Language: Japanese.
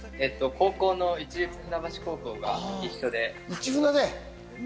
市立船橋高校が一緒で。